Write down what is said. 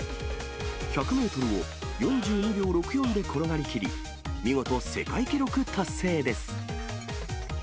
１００メートルを４２秒６４で転がりきり、見事世界記録達成です。